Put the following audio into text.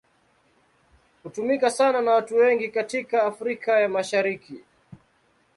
Hutumika sana na watu wengi katika Afrika ya Mashariki.